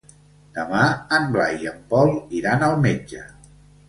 Demà en Blai i en Pol iran al metge.